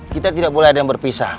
kita tidak boleh ada yang berpisah